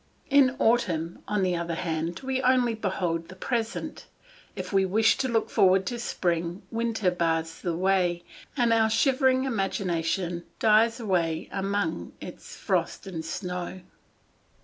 In autumn, on the other hand, we only behold the present; if we wish to look forward to spring, winter bars the way, and our shivering imagination dies away among its frost and snow.